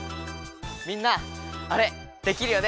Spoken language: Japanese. みんなあれできるよね？